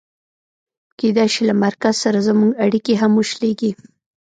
کېدای شي له مرکز سره زموږ اړیکې هم وشلېږي.